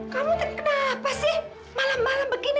kamu kan kenapa sih malam malam begini